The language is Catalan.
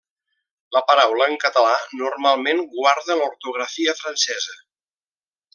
La paraula en català normalment guarda l'ortografia francesa.